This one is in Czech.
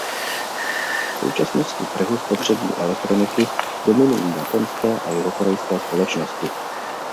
V současnosti trhu spotřební elektroniky dominují japonské a jihokorejské společnosti.